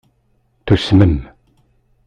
Tusmem.